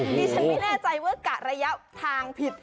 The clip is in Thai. ดิฉันไม่แน่ใจว่ากะระยะทางผิด